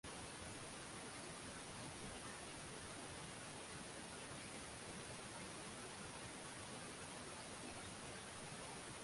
waliotafuta watumwa walikuwa wakiwaepuka Wamasai Pamoja na kusimama dhidi ya utumwa waliishi pamoja na